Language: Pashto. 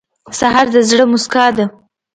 سهار د زړه موسکا ده.